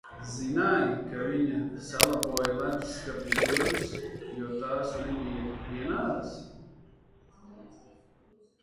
Zināji, ka viņa salaboja ledusskapja durvis, jo tās nebija vienādas?